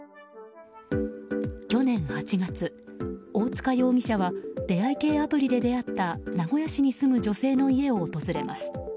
去年８月、大塚容疑者は出会い系アプリで出会った名古屋市に住む女性の家を訪れます。